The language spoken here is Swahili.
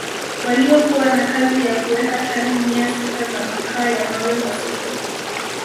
waliokuwa na kazi ya kuweka tani mia sita za makaa ya mawe kwa siku